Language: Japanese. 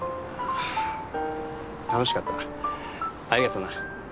楽しかったありがとな。